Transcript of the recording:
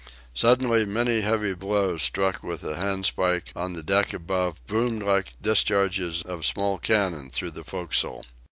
Suddenly many heavy blows struck with a handspike on the deck above boomed like discharges of small cannon through the forecastle.